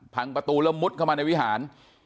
พังประตูแล้วมุดเข้ามาในวิหาร